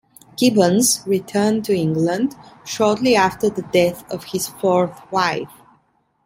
Gibbons returned to England shortly after the death of his fourth wife.